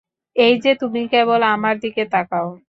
এই যে, তুমি কেবল আমার দিকে তাকাও।